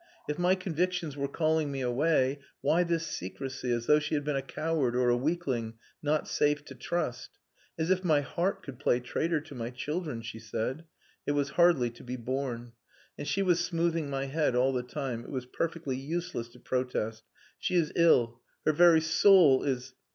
If my convictions were calling me away, why this secrecy, as though she had been a coward or a weakling not safe to trust? 'As if my heart could play traitor to my children,' she said.... It was hardly to be borne. And she was smoothing my head all the time.... It was perfectly useless to protest. She is ill. Her very soul is...."